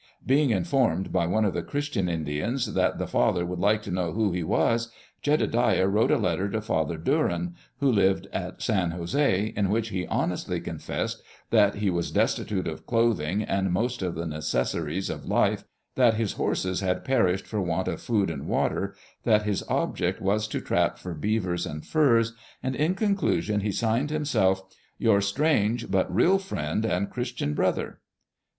Being informed by one of the Christian Indians that the father would like to know who he was, Je dediah wrote a letter to Father Duran, who lived at San Jose, in which he honestly con fessed that he was destitute of clothing and most of the necessaries of life, that his horses had perished for want of food and water, that his object was to trap for beavers and furs, and in conclusion he signed himself, "Your strange but real friend and Christian brother."